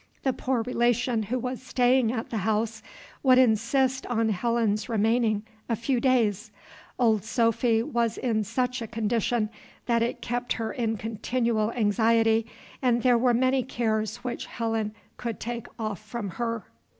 The poor relation who was staying at the house would insist on Helen's remaining a few days: Old Sophy was in such a condition, that it kept her in continual anxiety, and there were many cares which Helen could take off from her.